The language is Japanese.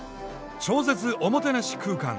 超絶おもてなし空間！